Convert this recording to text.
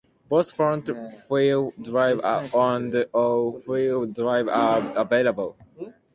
Both front wheel drive and all wheel drive are available.